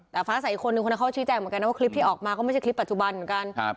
แต่ฟ้าใสอีกคนนึงคนนั้นเขาชี้แจงเหมือนกันนะว่าคลิปที่ออกมาก็ไม่ใช่คลิปปัจจุบันเหมือนกัน